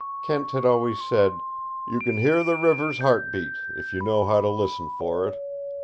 Kent had always said, "You can hear the river's heart beat if you know how to listen for it."